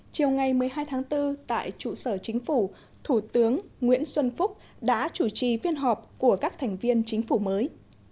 chiều ngày một mươi hai tháng bốn tại trụ sở chính phủ thủ tướng nguyễn xuân phúc đã chủ trì phiên họp của các thành viên chính phủ mới